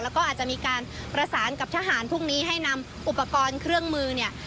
แล้วก็อาจจะมีการประสานกับทหารพรุ่งนี้ให้นำอุปกรณ์เครื่องมือเนี่ย